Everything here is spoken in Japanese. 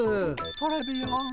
トレビアン。